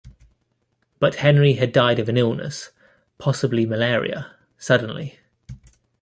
But Henry had died of an illness; possibly Malaria, suddenly.